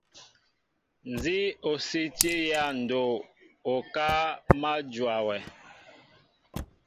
Nzi o siini ya ndoo, okáá ma njóa wɛ.